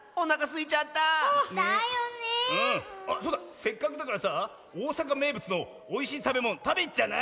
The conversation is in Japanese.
せっかくだからさあおおさかめいぶつのおいしいたべものたべにいっちゃわない？